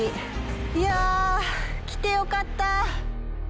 いや、来てよかった。